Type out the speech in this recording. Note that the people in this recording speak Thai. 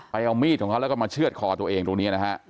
เอามีดของเขาแล้วก็มาเชื่อดคอตัวเองตรงนี้นะฮะ